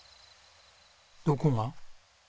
どこが？